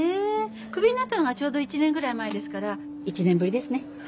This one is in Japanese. クビになったのがちょうど１年ぐらい前ですから１年ぶりですね。